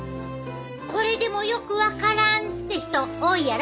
これでもよく分からんって人多いやろ。